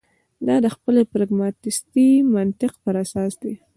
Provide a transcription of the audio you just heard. دا د خپل پراګماتیستي منطق پر اساس ده.